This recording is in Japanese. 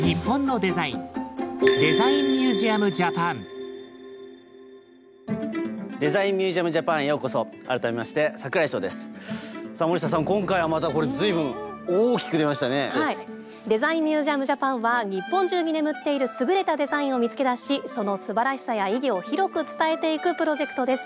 「デザインミュージアムジャパン」は日本中に眠っている優れたデザインを見つけ出しそのすばらしさや意義を広く伝えていくプロジェクトです。